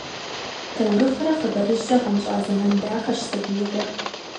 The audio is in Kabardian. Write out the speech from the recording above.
Таурыхърэ хъыбарыжькӀэ гъэнщӀа зэман дахэщ сабиигъуэр.